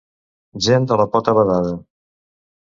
Gent de la pota badada.